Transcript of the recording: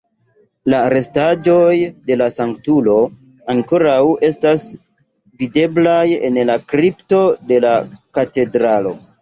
La restaĵoj de la sanktulo ankoraŭ estas videblaj en la kripto de la katedralo.